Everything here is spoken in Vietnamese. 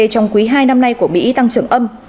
trong quý hai năm nay của mỹ tăng trưởng âm